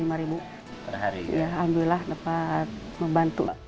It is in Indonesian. alhamdulillah dapat membantu